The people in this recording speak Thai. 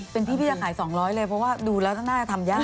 เป็นพี่พี่จะขาย๒๐๐เลยเพราะว่าดูแล้วน่าจะทำยาก